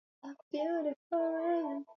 Analungula na mayi ya moto